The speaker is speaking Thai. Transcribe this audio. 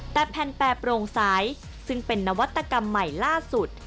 แต่แผ่นแปรโปร่งใสซึ่งเป็นนวัตกรรมใหม่ล่าสุด